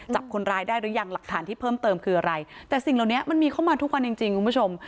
จับคนร้ายได้หรือยังหลักฐานที่เพิ่มเติมคืออะไรแต่สิ่งเหล่านี้มันมีเข้ามาทุกวันจริงจริงคุณผู้ชม